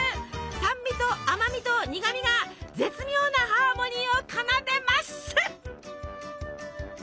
酸味と甘味と苦味が絶妙なハーモニーを奏でます！